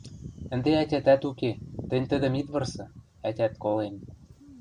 Ӹнде ӓтятӓт уке, тӹнь тӹдӹм ит вырсы — ӓтят колен...»